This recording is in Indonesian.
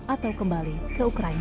atau kembali ke negara negara lain